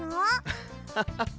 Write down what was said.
アハハハ！